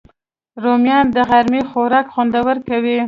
رومیان د غرمې خوراک خوندور کوي